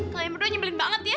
kalian berdua nyembelin banget ya